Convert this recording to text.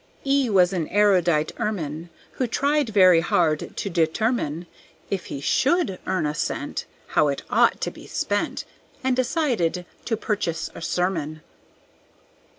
E was an erudite Ermine, Who tried very hard to determine If he should earn a cent, How it ought to be spent, And decided to purchase a sermon.